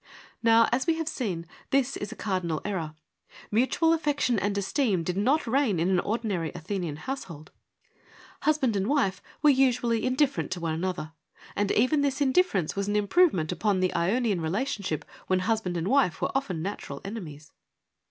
Now, as we have seen, this is a cardinal error. Mutual affection and esteem did not reign in an ordin ary Athenian household. Husband and wife were 128 FEMINISM IN GREEK LITERATURE usually indifferent one to another, and even this indifference was an improvement upon the Ionian relationship when husband and wife were often natural enemies.